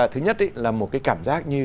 thứ nhất là một cái cảm giác như